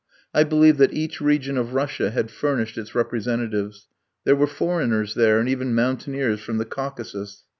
I believe that each region of Russia had furnished its representatives. There were foreigners there, and even mountaineers from the Caucasus.